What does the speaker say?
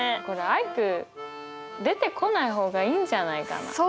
これアイク出てこない方がいいんじゃないかな？